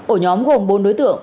ổ nhóm gồm bốn đối tượng